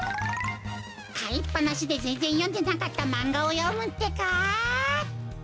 かいっぱなしでぜんぜんよんでなかったマンガをよむってか。